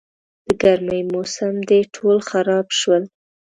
د ګرمي موسم دی، ټول خراب شول.